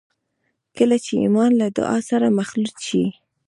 کله چې ایمان له دعا سره مخلوط شي